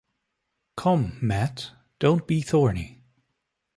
Come, Matt, don't be thorny.